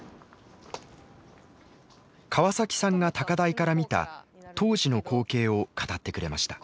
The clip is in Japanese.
川崎さんが高台から見た当時の光景を語ってくれました。